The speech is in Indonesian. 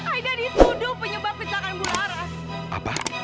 idan dituduh penyebab kecelakaan bularas